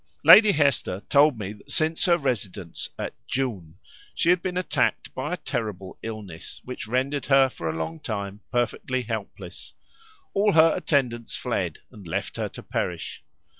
Lady Hester told me that since her residence at Djoun she had been attacked by a terrible illness, which rendered her for a long time perfectly helpless; all her attendants fled, and left her to perish.